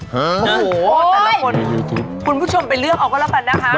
โอ้โหแต่ละคนคุณผู้ชมไปเลือกเอาก็แล้วกันนะคะ